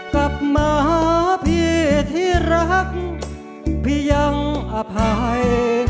กลับมาหาพี่ที่รักพี่ยังอภัย